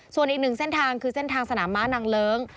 ส่วนอีกหนึ่งเส้นทางคือเส้นทางสนามม้านางเลิ้ง